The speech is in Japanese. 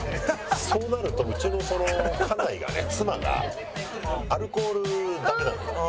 そうなるとうちの家内がね妻がアルコールダメなのよ。